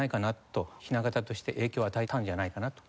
ひな型として影響を与えたんじゃないかなと。